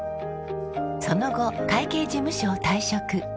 その後会計事務所を退職。